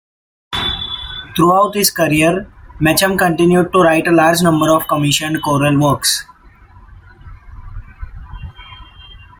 Throughout his career Mechem continued to write a large number of commissioned choral works.